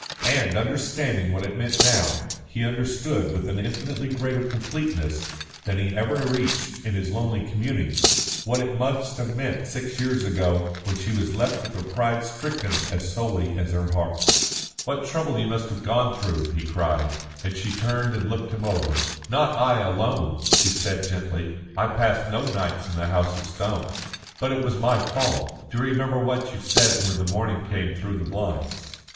And, understanding what it meant now, he understood, with an infinitely greater completeness than he had ever reached in his lonely communings, what it must have meant six years ago when she was left with her pride stricken as sorely as her heart. "What trouble you must have gone through!" he cried, and she turned and looked him over. "Not I alone," she said gently. "I passed no nights in the House of Stone." "But it was my fault. Do you remember what you said when the morning came through the blinds?